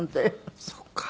そっか。